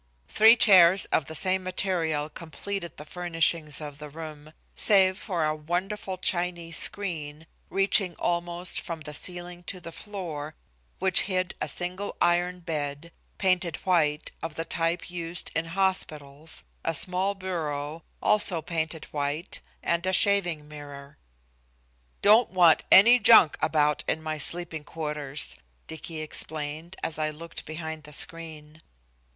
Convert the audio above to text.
Three chairs of the same material completed the furnishings of the room, save for a wonderful Chinese screen reaching almost from the ceiling to the floor, which hid a single iron bed, painted white, of the type used in hospitals, a small bureau, also painted white, and a shaving mirror. "Don't want any junk about my sleeping quarters," Dicky explained, as I looked behind the screen.